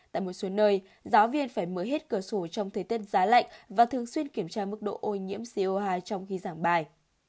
tại một số nơi giáo viên phải mở hết cửa sổ trong thời tiết giá lạnh và thường xuyên kiểm tra mức độ ô nhiễm co hai trong khi giảng bài